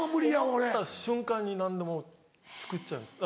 思った瞬間に何でも作っちゃうんです。